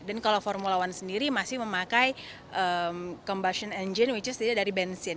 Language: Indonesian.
dan kalau formula satu sendiri masih memakai combustion engine which is dari bensin